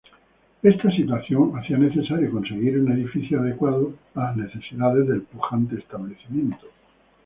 Esta situación hacía necesario conseguir un edificio adecuado a las necesidades del pujante establecimiento.